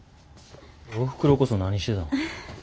おふくろこそ何してたん。